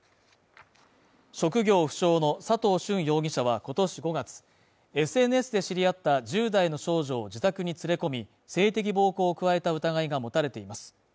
職業不詳の佐藤駿容疑者は今年５月、ＳＮＳで知り合った１０代の少女を自宅に連れ込み、性的暴行を加えた疑いが持たれています。